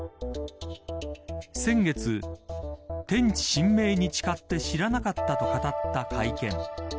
先月、天地神明に誓って知らなかったと語った会見。